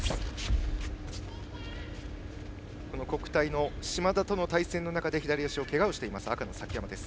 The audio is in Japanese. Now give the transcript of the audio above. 国体の嶋田との対戦の中で左足にけがをしています、赤の崎山です。